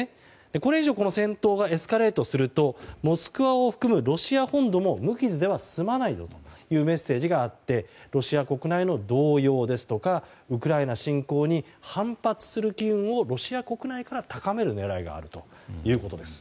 これ以上戦闘がエスカレートするとモスクワを含むロシア本土も無傷では済まないというメッセージがあってロシア国内の動揺ですとかウクライナ侵攻に反発する機運をロシア国内から高める狙いがあるということです。